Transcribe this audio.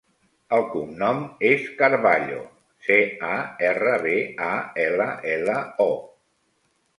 El cognom és Carballo: ce, a, erra, be, a, ela, ela, o.